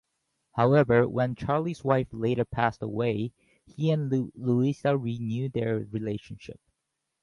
However, when Charlie's wife later passes away, he and Louisa renew their relationship.